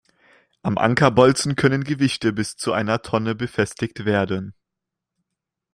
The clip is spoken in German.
Am Ankerbolzen können Gewichte bis zu einer Tonne befestigt werden.